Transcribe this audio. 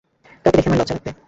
কাউকে দেখে আমার লজ্জা লাগবে।